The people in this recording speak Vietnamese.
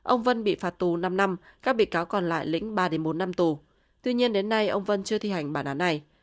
ông vân bị phạt tù năm năm các bị cáo còn lại lĩnh ba bốn năm tù tuy nhiên đến nay ông vân chưa thi hành bản án này